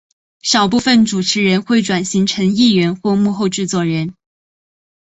少部份主播会转型成艺人或幕后制作人。